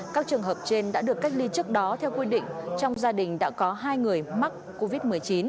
các trường hợp trên đã được cách ly trước đó theo quy định trong gia đình đã có hai người mắc covid một mươi chín